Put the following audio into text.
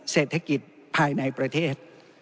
เศรษฐกิจภายในประเทศ